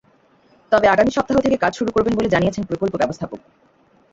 তবে আগামী সপ্তাহ থেকে কাজ শুরু করবেন বলে জানিয়েছেন প্রকল্প ব্যবস্থাপক।